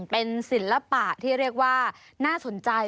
เป็นศิลปะที่เรียกว่าน่าสนใจ